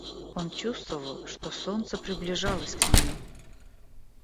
Он чувствовал, что солнце приближалось к нему.